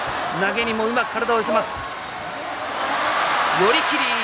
寄り切り。